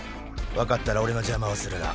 分かったら俺の邪魔をするな。